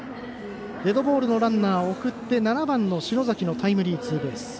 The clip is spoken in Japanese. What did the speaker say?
デッドボールのランナーを送って７番の篠崎のタイムリーツーベース。